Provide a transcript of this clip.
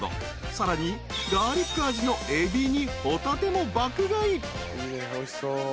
［さらにガーリック味のエビにホタテも爆買い］